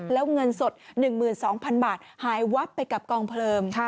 แล้วเงินสด๑๒๐๐๐บาทหายวับไปกับกองเพลิง